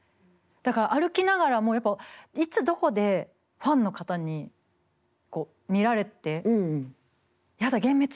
だから歩きながらもやっぱいつどこでファンの方に見られてやだ幻滅！